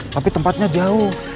tapi tempatnya jauh